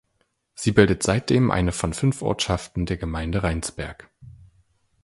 Sie bildet seitdem eine von fünf Ortschaften der Gemeinde Reinsberg.